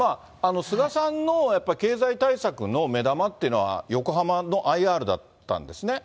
菅さんのやっぱり経済対策の目玉っていうのは、横浜のＩＲだったんですね。